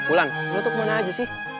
bulan lo tuh kemana aja sih